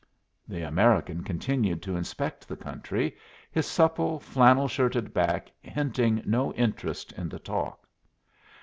The American continued to inspect the country, his supple, flannel shirted back hinting no interest in the talk.